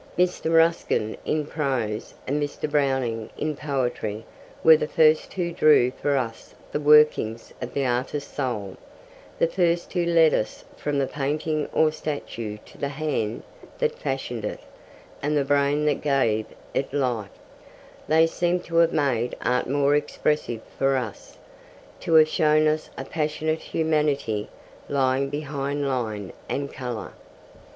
Mr. Ruskin in prose, and Mr. Browning in poetry, were the first who drew for us the workings of the artist soul, the first who led us from the painting or statue to the hand that fashioned it, and the brain that gave it life. They seem to have made art more expressive for us, to have shown us a passionate humanity lying behind line and colour.